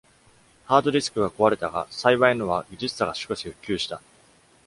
ハードディスクが壊れたが、幸いのは技術者が少し復旧した。